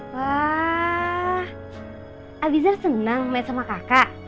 wah abiza senang main sama kakak